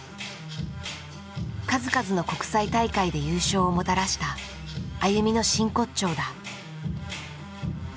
数々の国際大会で優勝をもたらしたＡＹＵＭＩの真骨頂だ。